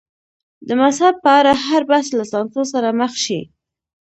د مذهب په اړه هر بحث له سانسور سره مخ شي.